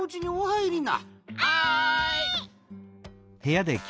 はい！